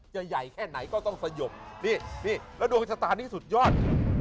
ใหญ่แค่ไหนก็ต้องสยบนี่นี่แล้วดวงชะตานี้สุดยอด